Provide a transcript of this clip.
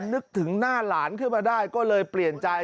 นึกถึงหน้าหลานขึ้นมาได้ก็เลยเปลี่ยนใจ